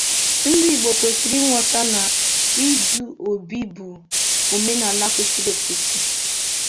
ndị Igbo kwesiri ịghọta na idu obi bụ omenala kwesiri ekwesi